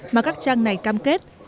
mà các trang này cam kết